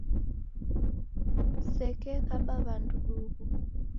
Kusekekaba w'andu duhu